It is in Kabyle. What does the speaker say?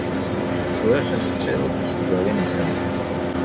Ur asent-ttaruɣ tiṣeddarin-nsent.